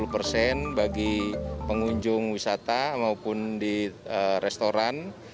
lima puluh persen bagi pengunjung wisata maupun di restoran